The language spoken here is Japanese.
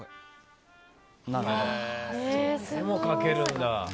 絵も描けるんだ。